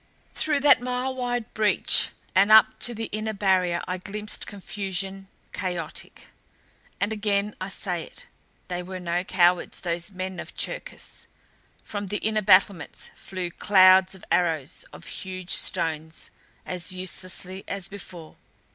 Through that mile wide breach and up to the inner barrier I glimpsed confusion chaotic. And again I say it they were no cowards, those men of Cherkis. From the inner battlements flew clouds of arrows, of huge stones as uselessly as before.